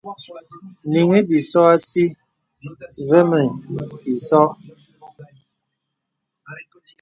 Nīŋhi bīsò àsí və̀ mì ìsō.